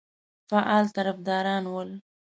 فعال طرفداران ول.